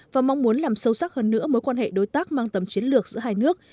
và mong muốn làm sâu sắc hơn nữa mối quan hệ đối tác mang tầm chiến lược giữa hai nước